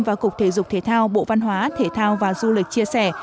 và cục thể dục thể thao bộ văn hóa thể thao và du lịch chia sẻ